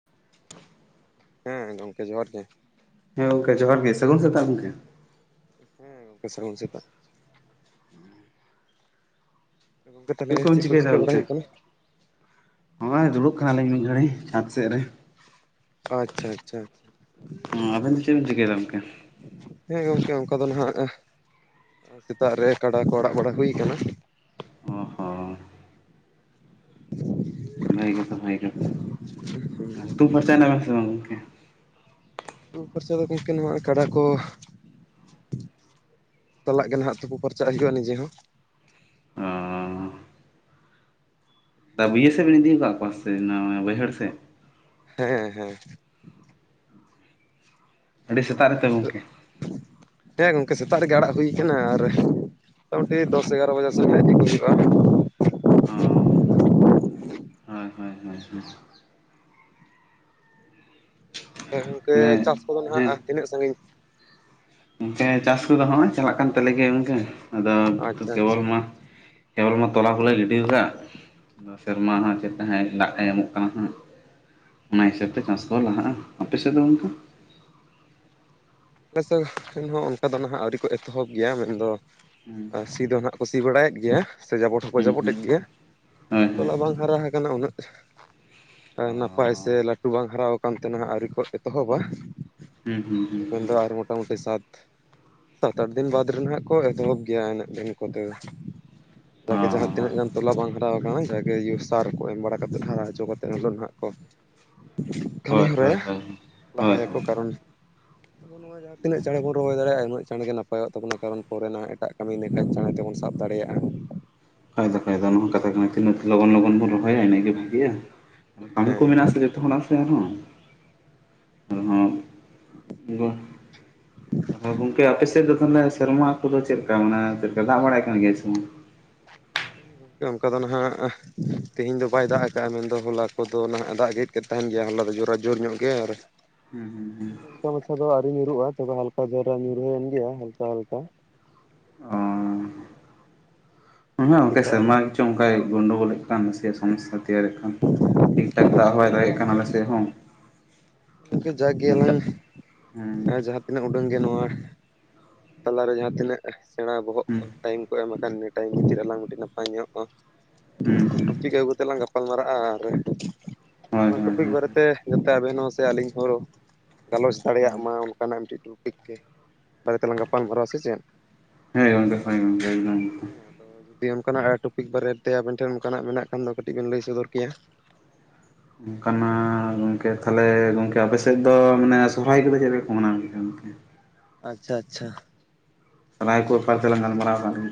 [inaudible] ᱦᱮᱸ ᱜᱚᱝᱠᱮ ᱡᱚᱦᱟᱨ ᱜᱮ ᱦᱮᱸ ᱜᱚᱝᱠᱮ ᱡᱚᱦᱟᱨ ᱜᱮ ᱥᱟᱹᱜᱩᱱ ᱥᱮᱛᱟᱜ ᱜᱚᱝᱠᱮ ᱦᱮᱸ ᱜᱚᱝᱠᱮ ᱥᱟᱹᱜᱩᱱ ᱥᱮᱛᱟᱜ ᱜᱚᱝᱠᱮ ᱪᱮᱫ ᱛᱟᱦᱚᱞᱮ ᱠᱚᱢ ᱠᱚ ᱪᱤᱠᱟᱹᱭ ᱮᱫᱟ ᱪᱤᱠᱟᱹ ᱜᱚᱢᱠᱮ, ᱵᱟᱲᱟᱭ ᱦᱩᱭᱩᱜ ᱠᱟᱱᱟ ᱱᱚᱜᱚᱭ ᱫᱩᱲᱩᱵ ᱠᱟᱱᱟᱞᱤᱧ ᱢᱤᱫ ᱜᱷᱟᱹᱲᱤᱡ ᱪᱟᱸᱫᱽ ᱥᱮᱫ ᱨᱮ, ᱟᱪᱪᱷᱟ ᱟᱪᱪᱷᱟ ᱟᱵᱮᱱ ᱫᱚ ᱪᱮᱫ ᱵᱮᱱ ᱪᱤᱠᱟᱹᱭ ᱫᱟ ᱜᱚᱢᱠᱮ? ᱦᱮᱸ ᱜᱚᱢᱠᱮ ᱚᱱᱠᱟ ᱫᱚ ᱱᱟᱦᱟᱜ ᱥᱮᱛᱟᱜ ᱨᱮ ᱠᱟᱰᱟ ᱠᱚ ᱟᱲᱟᱜ ᱵᱟᱲᱟ ᱦᱩᱭ ᱠᱟᱱᱟ ᱾ ᱚ ᱦᱚᱸ ᱵᱷᱟᱹᱜᱤ ᱠᱟᱛᱷᱟ ᱵᱷᱟᱹᱜᱤ ᱠᱟᱛᱷᱟ ᱦᱩᱛᱩᱢ ᱯᱷᱟᱨᱪᱟᱭᱮᱱᱟ ᱵᱮᱱ ᱥᱮ ᱵᱟᱝ ᱜᱚᱝᱠᱮ? ᱩᱢ ᱯᱷᱟᱨᱪᱟ ᱫᱚ ᱜᱚᱢᱠᱮ ᱱᱚᱣᱟ ᱠᱟᱰᱟ ᱠᱚ ᱪᱟᱞᱟᱜ ᱠᱟᱱᱟ ᱱᱟᱦᱟᱜ ᱛᱚᱯᱩ ᱯᱟᱨᱪᱟᱜ ᱦᱩᱭᱩᱜ-ᱟ ᱱᱤᱡᱮ ᱦᱚᱸ ᱛᱟ ᱵᱤᱭᱟᱹ ᱥᱮᱫ ᱵᱮᱱ ᱤᱫᱤ ᱟᱠᱟᱜ ᱠᱚᱣᱟ ᱥᱮᱪᱮᱫ ᱵᱟᱹᱭᱦᱟᱹᱲ ᱥᱮᱫ, ᱦᱮᱸ ᱦᱮᱸ ᱟᱹᱰᱤ ᱥᱮᱛᱟᱜ ᱦᱮᱸ ᱨᱮᱛᱚ ᱱᱤᱛᱚᱜ ᱜᱚᱝᱠᱮ ᱦᱮᱸ ᱜᱚᱢᱠᱮ ᱥᱮᱛᱟᱜ ᱨᱮᱜᱮ ᱟᱲᱟᱜ ᱦᱩᱭ ᱠᱟᱱᱟ ᱟᱨ, ᱢᱚᱴᱟ ᱢᱩᱴᱤ ᱫᱚᱥ ᱮᱜᱟᱨ ᱵᱟᱡᱟᱨ ᱥᱮᱫ ᱛᱮ ᱤᱫᱤᱠᱩ ᱦᱩᱭᱩᱜᱼᱟ ᱾ ᱚ ᱦᱮᱸ ᱦᱮᱸ ᱜᱚᱝᱠᱮ ᱢᱟᱱᱮ ᱪᱟᱥ ᱠᱚᱫᱚ ᱦᱮᱸ ᱦᱟᱸᱜ ᱛᱤᱱᱟᱹᱜ ᱥᱟᱺᱜᱤᱧ ᱦᱮᱸ ᱪᱟᱥ ᱠᱚᱫᱚ ᱦᱚᱸᱜᱼᱚᱭ ᱪᱟᱞᱟᱜ ᱠᱟᱱ ᱛᱟᱞᱮ ᱜᱮᱭᱟ ᱜᱚᱝᱠᱮ ᱟᱫᱚ ᱟᱪᱪᱷᱟ ᱠᱮᱵᱚᱞ ᱟᱪᱪᱷᱟ ᱢᱟ ᱠᱮᱵᱚᱞ ᱢᱟ ᱛᱚᱞᱟ ᱠᱚᱞᱮ ᱜᱤᱰᱤᱣᱟᱠᱟᱫ ᱥᱮᱨᱢᱟ ᱦᱟᱸᱜ ᱪᱮᱫ ᱞᱮᱠᱟ ᱦᱸᱜᱼᱮ ᱫᱟᱜ ᱮ ᱮᱢᱚᱜ ᱠᱟᱱᱟ ᱦᱟᱸᱜ ᱚᱱᱟ ᱦᱤᱥᱟᱹᱵᱽ ᱛᱮ ᱪᱟᱥ ᱠᱚ ᱞᱟᱦᱟᱜᱼᱟ ᱟᱯᱮᱥᱮᱫ ᱫᱚ ᱜᱚᱝᱠᱮ ᱟᱞᱮ ᱥᱮᱱ ᱼ ᱥᱮᱱ ᱦᱚᱸ ᱚᱱᱠᱟ ᱫᱚ ᱱᱷᱟᱜ ᱟᱹᱣᱨᱤ ᱠᱚ ᱮᱛᱚᱦᱚᱵᱽ ᱜᱮᱭᱟ ᱢᱮᱱᱫᱚ ᱦᱩᱸ ᱥᱤ ᱫᱚ ᱦᱟᱸᱜ ᱠᱚ ᱥᱤ ᱵᱟᱲᱟᱭᱮᱫ ᱜᱮᱭᱟ ᱥᱮ ᱡᱟᱵᱚᱴ ᱦᱚᱸᱠᱚ ᱦᱩᱸ ᱦᱩᱸ ᱡᱟᱯᱚᱴᱮᱫ ᱜᱮᱭᱟ ᱦᱳᱭ ᱦᱳᱭ ᱛᱚᱞᱟ ᱵᱟᱝ ᱦᱟᱨᱟ ᱟᱠᱟᱱᱟ ᱩᱱᱟᱹᱜ ᱚ ᱱᱟᱯᱟᱭ ᱥᱮ ᱞᱟᱹᱴᱩ ᱵᱟᱝ ᱦᱟᱨᱟᱣᱼᱼ ᱚᱱᱛᱮ ᱱᱷᱟᱜ ᱟᱹᱣᱨᱤ ᱠᱚ ᱮᱛᱚᱦᱚᱵᱟ ᱦᱩᱸ ᱦᱩᱸ ᱦᱩᱸ ᱤᱧ ᱫᱚ ᱟᱨ ᱦᱚᱸ ᱢᱚᱴᱟᱢᱩᱴᱤ ᱥᱟᱛ ᱥᱟᱛ ᱟᱴ ᱫᱤᱱ ᱵᱟᱫᱽ ᱨᱮ ᱱᱷᱟᱜ ᱠᱚ ᱮᱛᱚᱦᱚᱵ ᱜᱮᱭᱟ ᱤᱱᱟᱹᱜ ᱫᱤᱱ ᱠᱚᱛᱮ ᱫᱚ ᱚ ᱡᱟᱜᱮ ᱡᱟᱦᱟᱸ ᱛᱤᱱᱟᱹᱜ ᱜᱟᱱ ᱛᱚᱞᱟ ᱵᱟᱝ ᱦᱩᱭᱩᱜ ᱦᱟᱛᱟᱣ ᱠᱟᱱᱟ ᱡᱟᱜᱮ ᱤᱭᱟᱹ ᱥᱟᱨ ᱠᱚ ᱮᱢ ᱵᱟᱲᱟ ᱠᱟᱛᱮ ᱦᱟᱨᱟ ᱦᱚᱪᱚ ᱠᱟᱛᱮ ᱱᱷᱟᱜ ᱠᱚ ᱠᱟᱹᱢᱤ ᱦᱳᱭ ᱦᱳᱭ ᱦᱳᱭ ᱦᱚᱨᱟᱭᱟ ᱦᱳᱭ ᱞᱟᱦᱟᱭᱟᱠᱚ ᱦᱳᱭ ᱠᱟᱨᱚᱱ ᱟᱵᱚ ᱱᱚᱣᱟ ᱡᱟᱦᱟᱸ ᱡᱟᱦᱟᱸ ᱛᱤᱱᱟᱹᱜ ᱪᱟᱬᱮ ᱵᱚ ᱨᱚᱦᱚᱭ ᱫᱟᱲᱮᱭᱟᱜᱼᱟ ᱩᱱᱟᱹᱜ ᱪᱟᱬᱮ ᱜᱮ ᱱᱟᱯᱟᱭᱚᱜ ᱛᱟᱵᱚᱱᱟ ᱠᱟᱨᱚᱱ ᱯᱚᱨᱮ ᱱᱷᱟᱜ ᱮᱴᱟᱜ ᱠᱟᱹᱢᱤ ᱤᱱᱟᱹᱠᱷᱟᱱ ᱪᱟᱬᱮ ᱛᱮᱵᱚᱱ ᱥᱟᱵ ᱫᱟᱲᱮᱭᱟᱜᱼᱟ ᱦᱚᱭ ᱫᱚ [unintelligible] ᱫᱚ ᱛᱤᱱᱟᱹᱜ ᱞᱚᱜᱚᱱ ᱞᱚᱜᱚᱱ ᱵᱚᱱ ᱨᱚᱦᱚᱭᱟ ᱤᱱᱟᱹᱜ ᱜᱮ ᱵᱷᱟᱹᱜᱮᱤᱭᱟ ᱠᱟᱹᱢᱤ ᱠᱚ ᱦᱮᱸ ᱢᱮᱱᱟᱜ ᱟᱥᱮ ᱡᱚᱛᱚ ᱦᱚᱲᱟᱜ ᱥᱮ ᱟᱨᱦᱚᱸ ᱦᱮᱸᱻ ᱟᱨᱦᱚᱸ [unintelligible] ᱦᱚᱭ ᱜᱚᱝᱠᱮ ᱟᱯᱮ ᱥᱮᱫ ᱫᱚ ᱛᱟᱦᱚᱞᱮ ᱥᱮᱨᱢᱟ ᱠᱚᱫᱚ ᱪᱮᱫᱞᱮᱠᱟ ᱢᱟᱱᱮ ᱪᱮᱫ ᱞᱮᱠᱟ ᱫᱟᱜ ᱵᱟᱲᱟᱭ ᱠᱟᱱ ᱜᱮᱭᱟ ᱥᱮ ᱵᱟᱝ ᱦᱮᱸᱻ ᱜᱚᱝᱠᱮ ᱚᱱᱠᱟ ᱫᱚ ᱱᱷᱟᱜ ᱛᱮᱦᱮᱧ ᱫᱚ ᱵᱟᱭ ᱫᱟᱜ ᱟᱠᱟᱜᱼᱟ ᱢᱮᱱᱫᱚ ᱦᱚᱞᱟ ᱠᱚᱫᱚ ᱱᱷᱟᱜ ᱫᱟᱜᱮᱫᱼᱼ ᱜᱮ ᱛᱟᱦᱮᱱ ᱜᱮᱭᱟ ᱦᱚᱞᱟ ᱫᱚ ᱡᱚᱨᱟ ᱡᱳᱨ ᱧᱚᱜ ᱜᱮ ᱟᱨ [unintelligible] [unintelligible] ᱱᱚᱝᱠᱟ ᱢᱟᱪᱷᱟ ᱫᱚ ᱟᱹᱣᱨᱤ ᱧᱩᱨᱩᱜᱼᱟ ᱛᱚᱵᱮ ᱦᱟᱞᱠᱟ ᱫᱷᱟᱨᱟ ᱧᱩᱨᱦᱟᱹᱭᱮᱱ ᱜᱮᱭᱟ ᱦᱟᱞᱠᱟ ᱦᱟᱞᱠᱟ ᱦᱮᱸᱻ ᱜᱚᱝᱠᱮ ᱥᱮᱛᱟᱜ ᱨᱮ ᱥᱮᱨᱢᱟ ᱜᱮᱪᱚᱝ ᱚᱱᱠᱟᱭ ᱜᱚᱱᱰᱳᱜᱚᱞᱮᱫ ᱠᱟᱱ ᱥᱮ ᱥᱚᱢᱚᱥᱟ ᱛᱮᱭᱟᱨᱮᱫ ᱠᱟᱱ ᱴᱷᱤᱠᱼᱴᱷᱟᱠ ᱫᱟᱜ ᱦᱚᱭ ᱵᱟᱣ ᱦᱮᱸ ᱫᱟᱜᱮᱫ ᱠᱟᱱᱟ ᱜᱚᱝᱠᱮ ᱟᱞᱮ ᱥᱮᱫ ᱦᱚᱸ ᱜᱚᱝᱠᱮ ᱡᱟᱜᱽ ᱜᱮ ᱱᱤᱛᱟᱜ ᱟᱞᱟᱝ ᱦᱮᱸ ᱟᱻ ᱡᱟᱦᱟᱸ ᱛᱤᱱᱟᱹᱜ ᱩᱰᱩᱝ ᱜᱮ ᱱᱚᱣᱟ ᱛᱟᱞᱟᱨᱮ ᱡᱟᱦᱟᱸ ᱛᱤᱱᱟᱹᱜ ᱥᱮᱬᱟ ᱵᱚᱦᱚᱜ ᱦᱩᱸ ᱴᱟᱭᱤᱢ ᱮᱢᱟᱠᱟᱱ ᱤᱱᱟᱹ ᱴᱟᱭᱤᱢ ᱵᱷᱤᱛᱤᱨ ᱨᱮ ᱟᱞᱟᱝ ᱢᱤᱫᱴᱤᱡ ᱱᱟᱯᱟᱭ ᱧᱚᱜ ᱦᱩᱸ ᱦᱩᱸ ᱴᱚᱯᱤᱠ ᱟᱹᱜᱩ ᱠᱟᱛᱮ ᱞᱟᱝ ᱜᱟᱯᱟᱼᱼ ᱜᱟᱯᱟᱞ ᱢᱟᱨᱟᱜᱼᱟ ᱟᱨ ᱦᱳᱭ ᱚᱱᱟ ᱦᱳᱭ ᱴᱚᱯᱤᱠ ᱦᱳᱭ ᱦᱩᱸ ᱵᱟᱨᱮᱛᱮ ᱡᱟᱛᱮ ᱟᱹᱵᱤᱱ ᱦᱚᱸ ᱥᱮ ᱟᱹᱞᱤᱧ ᱦᱚᱸ ᱜᱟᱞᱚᱪ ᱫᱟᱲᱮᱭᱟᱜ ᱢᱟ ᱚᱱᱠᱟᱱᱟᱜ ᱢᱤᱫᱴᱤᱡ ᱴᱚᱯᱤᱠ ᱛᱮ ᱵᱟᱨᱮ ᱛᱮᱞᱟᱝ ᱜᱟᱯᱟᱞᱢᱟᱨᱟᱣᱟ ᱥᱮ ᱪᱮᱫ ᱦᱮᱸ ᱜᱚᱝᱠᱮ ᱦᱚᱭ ᱜᱚᱝᱠᱮ ᱮᱠᱫᱚᱢ ᱮᱠᱫᱚᱢ ᱛᱚ ᱡᱩᱫᱤ ᱚᱱᱠᱟᱱᱟᱜ ᱴᱚᱯᱤᱠ ᱵᱟᱨᱮ ᱛᱮ ᱟᱵᱮᱱ ᱴᱷᱮᱱ ᱚᱱᱠᱟᱱᱟᱜ ᱢᱮᱱᱟᱜ ᱠᱷᱟᱱ ᱫᱚ ᱠᱟᱹᱴᱤᱡ ᱵᱮᱱ ᱞᱟᱹᱭ ᱥᱚᱫᱚᱨ ᱠᱮᱭᱟ ᱚᱱᱠᱟᱱᱟᱜ ᱜᱚᱝᱠᱮ ᱛᱟᱦᱞᱮ ᱜᱚᱠᱮ ᱟᱯᱮ ᱥᱮᱫ ᱫᱚ ᱢᱟᱱᱮ ᱥᱚᱦᱨᱟᱭ ᱠᱚᱫᱚ ᱪᱮᱫ ᱞᱮᱠᱟᱠᱚ ᱢᱟᱱᱟᱣ ᱜᱮᱭᱟ ᱜᱚᱝᱠᱮ ᱟᱪᱪᱷᱟ ᱟᱪᱪᱷᱟ ᱥᱚᱦᱨᱟᱭ ᱠᱚ ᱵᱮᱯᱟᱨ ᱛᱮᱞᱟᱝ ᱜᱟᱞᱢᱟᱨᱟᱣ ᱛᱟᱦᱞᱮ